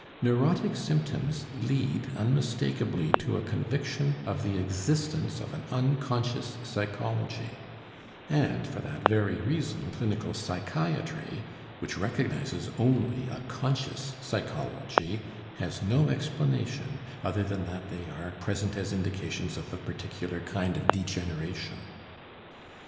Neurotic symptoms lead unmistakably to a conviction of the existence of an unconscious psychology, and for that very reason clinical psychiatry, which recognizes only a conscious psychology, has no explanation other than that they are present as indications of a particular kind of degeneration.